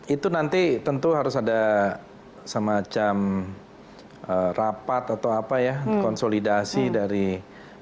itu nanti tentu harus ada semacam rapat atau apa ya konsolidasi dari panglima tni yang baru